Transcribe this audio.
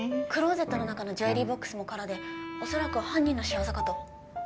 クローゼットの中のジュエリーボックスも空でおそらく犯人の仕業かと。